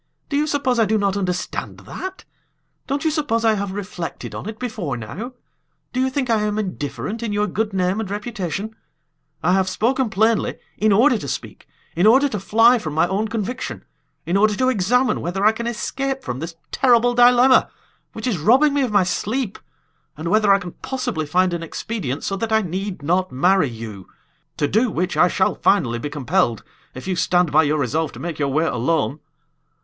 Do you suppose I do not understand that? Don't you suppose I have reflected on it before now? Do you think I am indifferent in your good name and reputation? I have spoken plainly in order to speak, in order to fly from my own conviction, in order to examine whether I can escape from this terrible dilemma which is robbing me of my sleep, and whether I can possibly find an expedient so that I need not marry you to do which I shall finally be compelled, if you stand by your resolve to make your way alone!"